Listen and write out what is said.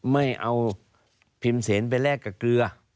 ไม่เอาพิมพ์เสนไปแลกกับเกลือ